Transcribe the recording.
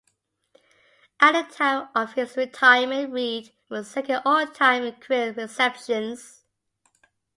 At the time of his retirement, Reed was second all-time in career receptions.